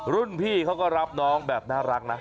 รุ่นพี่เขาก็รับน้องแบบน่ารักนะ